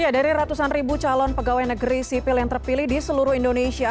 dari ratusan ribu calon pegawai negeri sipil yang terpilih di seluruh indonesia